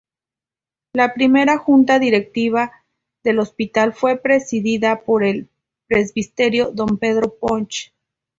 La primera Junta Directiva del Hospital fue presidida por el presbítero don Pedro Poch.